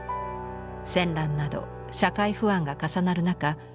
戦乱など社会不安が重なる中